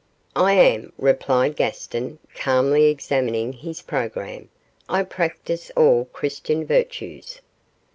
'I am,' replied Gaston, calmly examining his programme; 'I practise all the Christian virtues.